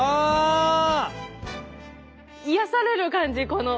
癒やされる感じこの。